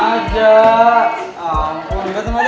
kamu juga sama kan